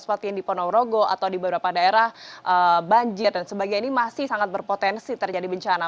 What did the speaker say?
seperti yang di ponorogo atau di beberapa daerah banjir dan sebagainya ini masih sangat berpotensi terjadi bencana